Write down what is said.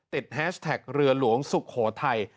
ติดแฮชแท็กบั๋วเรือหลวงสุคโถทัย